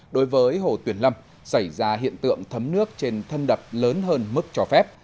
đối với hồ tuyền lâm xảy ra hiện tượng thấm nước trên thân đập lớn hơn mức cho phép